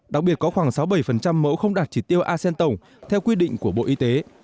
đặc biệt có khoảng sáu mươi bảy mẫu không đạt chỉ tiêu acen tổng theo quy định của bộ y tế